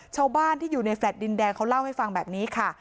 ชาวบ้านที่อยู่ในแฟลต์ดินแดงเขาเล่าให้ฟังแบบนี้ค่ะ